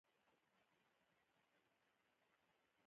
زه د ناري لپاره چای څښم.